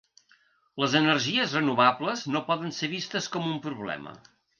Les energies renovables no poden ser vistes com un problema.